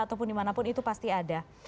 ataupun dimanapun itu pasti ada